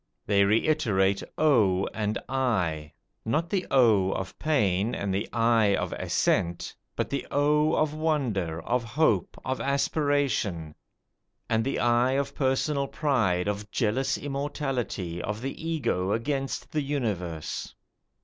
They reiterate O and I, not the O of pain and the Ay of assent, but the O of wonder, of hope, of aspiration; and the I of personal pride, of jealous immortality, of the Ego against the Universe.